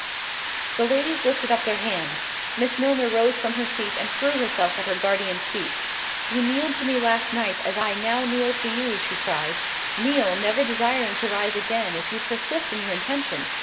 The ladies lifted up their hands!—Miss Milner rose from her seat, and threw herself at her guardian's feet. "You kneeled to me last night, I now kneel to you," (she cried) "kneel, never desiring to rise again, if you persist in your intention.